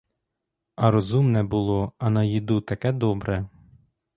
А розумне було, а на їду таке добре.